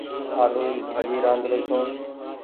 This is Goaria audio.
آلو ري ڀآڃي رآڌرو ڇون۔